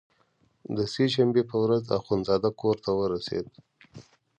د سې شنبې په ورځ اخندزاده کورته ورسېد.